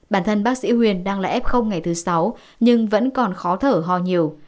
bản thân bác sĩ huyền đang là ép không ngày thứ sáu nhưng vẫn còn khó thở ho nhiều